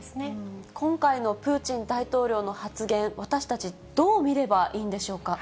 今回のプーチン大統領の発言、私たち、どう見ればいいんでしょうか。